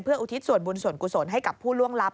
อุทิศส่วนบุญส่วนกุศลให้กับผู้ล่วงลับ